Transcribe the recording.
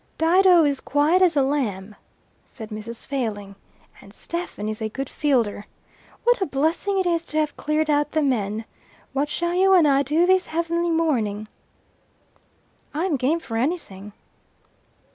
"Dido is quiet as a lamb," said Mrs. Failing, "and Stephen is a good fielder. What a blessing it is to have cleared out the men. What shall you and I do this heavenly morning?" "I'm game for anything."